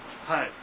はい。